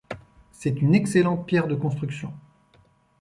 C'est une excellente pierre de construction.